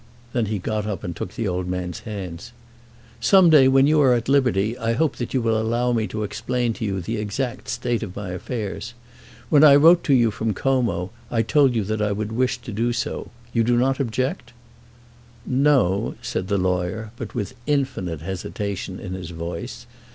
Then he got up and took the old man's hands. "Some day, when you are at liberty, I hope that you will allow me to explain to you the exact state of my affairs. When I wrote to you from Como I told you that I would wish to do so. You do not object?" "No;" said the lawyer, but with infinite hesitation in his voice.